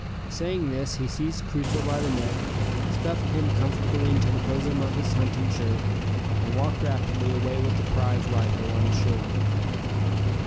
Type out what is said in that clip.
Saying this he seized Crusoe by the neck, stuffed him comfortably into the bosom of his hunting shirt, and walked rapidly away with the prize rifle on his shoulder.